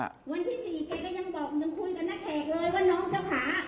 วันที่สี่แกก็ยังบอกหนูคุยกับนักแขกเลยว่าน้องเจ้าขา